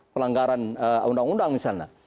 pelanggaran undang undang misalnya